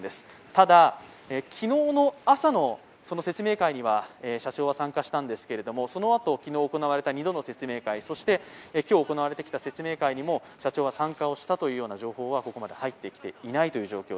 ただ昨日の朝の説明会には社長は参加したんですけれども、そのあと行われた２度の説明会そして今日行われてきた説明会にも社長は参加をしたという情報はここまで入ってきていません。